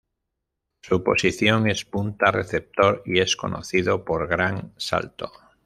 Su posición es punta receptor, y es conocido por gran salto.